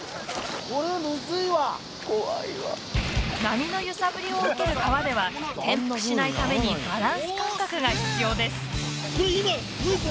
波の揺さぶりを受ける川では転覆しないためにバランス感覚が必要です。